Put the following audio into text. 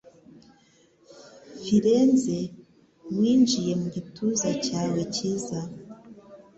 Firenze winjiye mu gituza cyawe cyiza